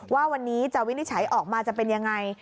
ว่าวันนี้จะวินิจฉัยออกมาจะเป็นยังไง